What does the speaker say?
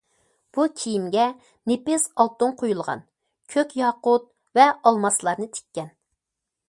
بۇ كىيىمگە نېپىز ئالتۇن قويۇلغان، كۆك ياقۇت ۋە ئالماسلارنى تىككەن.